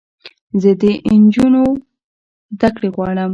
زه د انجونوو زدکړې غواړم